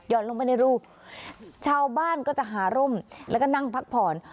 ลงไปในรูปชาวบ้านก็จะหาร่มแล้วก็นั่งพักผ่อน